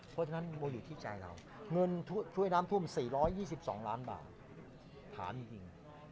เพราะฉะนั้นเราอยู่ที่ใจเราเงินช่วยน้ำท่วม๔๒๒ล้านบาทถามจริง